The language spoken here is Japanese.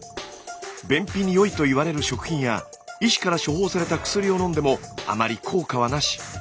便秘に良いと言われる食品や医師から処方された薬を飲んでもあまり効果はなし。